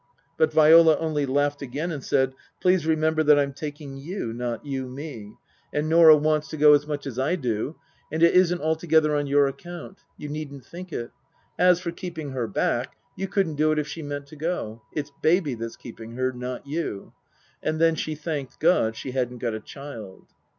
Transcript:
But Viola only laughed again and said, " Please remember that I'm taking you, not you me. And Norah wants to Book III : His Book 281 go as much as I do, and it isn't altogether on your account. You needn't think it. As for keeping her back, you couldn't do it if she meant to go. It's Baby that's keeping her, not you." And then she thanked God she hadn't got a child.